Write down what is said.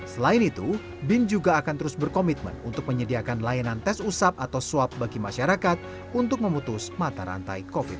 selain itu bin juga akan terus berkomitmen untuk menyediakan layanan tes usap atau swab bagi masyarakat untuk memutus mata rantai covid sembilan belas